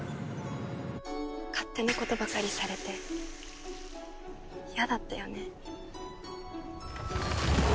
勝手なことばかりされて嫌だったよね。